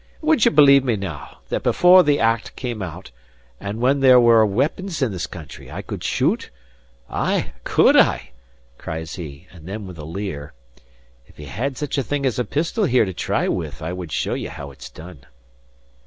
Would ye believe me now, that before the Act came out, and when there were weepons in this country, I could shoot? Ay, could I!" cries he, and then with a leer: "If ye had such a thing as a pistol here to try with, I would show ye how it's done."